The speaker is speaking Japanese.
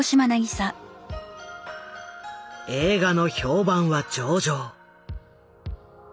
映画の評判は上々。